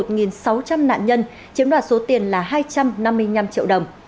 nạn nhân chiếm đoạt số tiền là hai trăm năm mươi năm triệu đồng